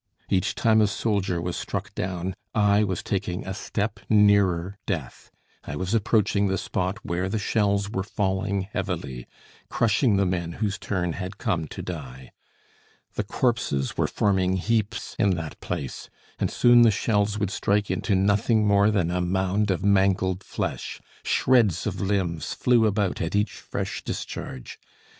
Each time a soldier was struck down, I was taking a step nearer death, I was approaching the spot where the shells were falling heavily, crushing the men whose turn had come to die. The corpses were forming heaps in that place, and soon the shells would strike into nothing more than a mound of mangled flesh; shreds of limbs flew about at each fresh discharge.